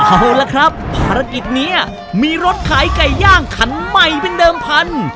เอาละครับภารกิจนี้มีรถขายไก่ย่างคันใหม่เป็นเดิมพัน